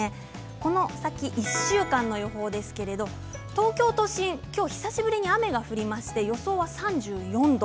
この先、１週間の予報ですけれども東京都心、今日、久しぶりに雨が降りまして予想は３４度。